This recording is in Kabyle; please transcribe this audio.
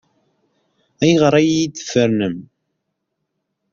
Ayɣer ay iyi-d-tfernem?